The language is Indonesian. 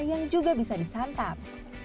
yang juga bisa disantap